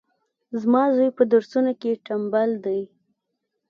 زما زوی پهدرسونو کي ټمبل دی